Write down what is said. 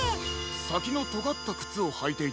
さきのとがったくつをはいていて。